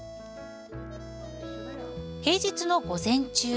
平日の午前中。